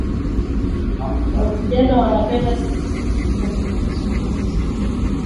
Wavijana wanapenda sana kufata kabumbu siku izi